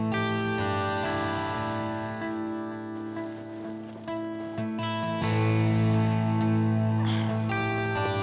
oh sadaqah teman